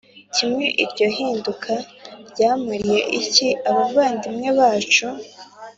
kimwe Iryo hinduka ryamariye iki abavandimwe bacu